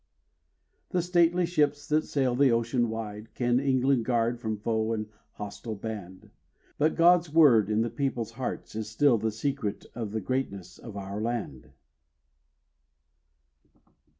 The stately ships that sail the ocean wide, Can England guard from foe and hostile band; But God's word in the people's hearts, is still The secret of the greatness of our land.